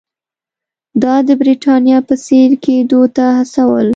دا د برېټانیا په څېر کېدو ته هڅول.